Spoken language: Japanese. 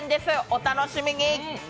お楽しみに。